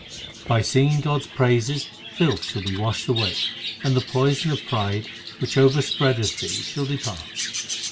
7 By singing God s praises filth shall be washed away, And the poison of pride, which overspreadeth thee, shall depart.